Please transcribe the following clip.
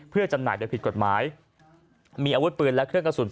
เพื่อจำหน่ายโดยผิดกฎหมายมีอาวุธปืนและเครื่องกระสุน